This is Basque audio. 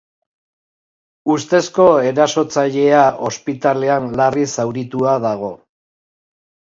Ustezko erasotzailea ospitalean larri zauritua dago.